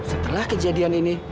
setelah kejadian ini